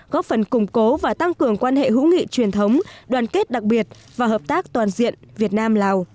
góp phần củng cố và tăng cường quan hệ hữu nghị truyền thống đoàn kết đặc biệt và hợp tác toàn diện việt nam lào